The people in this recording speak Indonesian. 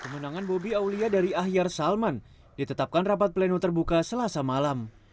kemenangan bobi aulia dari ahyar salman ditetapkan rapat pleno terbuka selasa malam